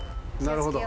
なるほど。